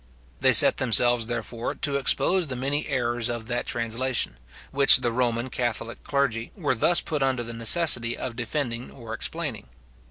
They set themselves, therefore, to expose the many errors of that translation, which the Roman catholic clergy were thus put under the necessity of defending or explaining.